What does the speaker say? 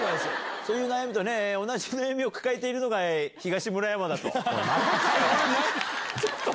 そういう悩みと同じ悩みを抱えているのが、東村山だと。